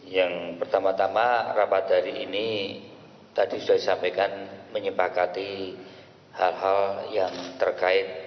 yang pertama tama rapat hari ini tadi sudah disampaikan menyepakati hal hal yang terkait